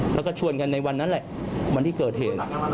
แล้วก็ชวนกันในวันนั้นแหละวันที่เกิดเหตุ